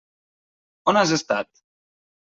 On has estat?